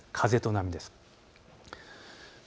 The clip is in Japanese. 風と波です。